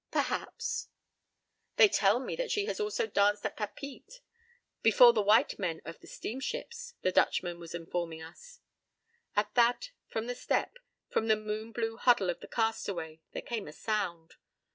Perhaps.— "They tell me that she has also danced at Papeete—before the white men of the steamships," the Dutchman was informing us. At that, from the step, from the moon blue huddle of the castaway, there came a sound.